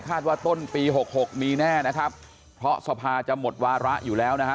ว่าต้นปีหกหกมีแน่นะครับเพราะสภาจะหมดวาระอยู่แล้วนะฮะ